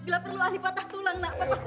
gila perlu alipatah tulang nak